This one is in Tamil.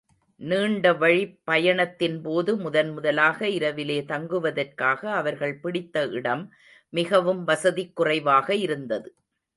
நீண்டவழிப் பயணத்தின்போது, முதன்முதலாக இரவிலே தங்குவதற்காக அவர்கள் பிடித்த இடம் மிகவும் வசதிக் குறைவாக இருந்தது.